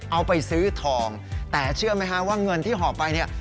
เอาไปซื้อทองแต่เชื่อไหมฮะว่าเงินที่หอบไปเนี่ย